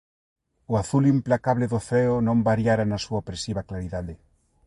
O azul implacable do ceo non variara na súa opresiva claridade.